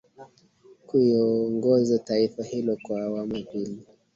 kuiongoza taifa hilo kwa awamu ya pili